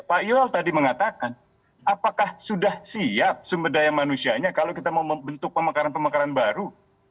pak iol tadi mengatakan apakah sudah siap sumber daya manusianya kalau kita mau membentuk pemekaran pemekaran baru